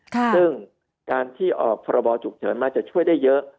ซึ่งการที่ออกพรบฉุกเฉินมาจะช่วยได้เยอะ